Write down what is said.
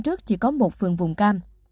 trước chỉ có một phường vùng cam